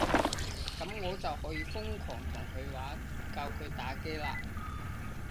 噉我就可以瘋狂同佢玩，教佢打機喇